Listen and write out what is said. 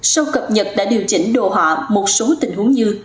sau cập nhật đã điều chỉnh đồ họa một số tình huống như